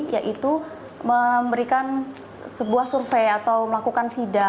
yaitu memberikan sebuah survei atau melakukan sida